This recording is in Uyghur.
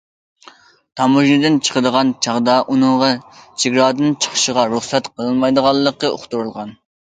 تاموژنىدىن چىقىدىغان چاغدا، ئۇنىڭغا چېگرادىن چىقىشقا رۇخسەت قىلىنمايدىغانلىقى ئۇقتۇرۇلغان.